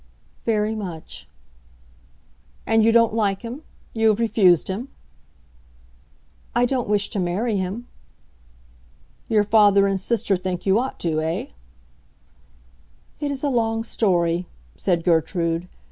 "Very much." "And you don't like him—you have refused him?" "I don't wish to marry him." "Your father and sister think you ought to, eh?" "It is a long story," said Gertrude.